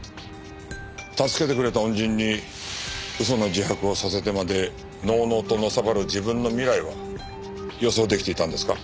助けてくれた恩人に嘘の自白をさせてまでのうのうとのさばる自分の未来は予想できていたんですか？